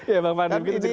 ya bang fahri